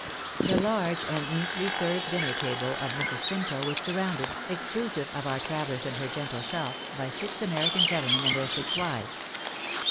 The large, and neatly served dinner table of Mrs. Simcoe was surrounded, exclusive of our travellers and her gentle self, by six American gentlemen and their six wives.